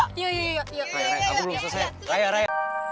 raya raya abroh selesai